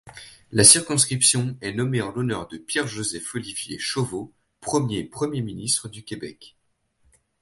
La circonscription est nommée en l'honneur de Pierre-Joseph-Olivier Chauveau, premier premier ministre du Québec.